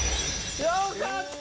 よかった！